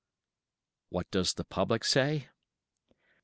What does the public say?